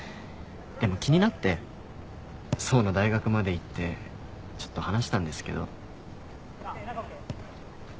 でも気になって想の大学まで行ってちょっと話したんですけど。